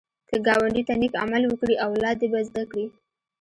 که ګاونډي ته نېک عمل وکړې، اولاد دې به زده کړي